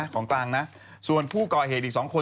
ของกลางนะส่วนผู้ก่อเหตุอีก๒คน